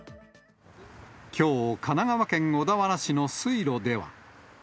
きょう、神奈川県小田原市の水路では。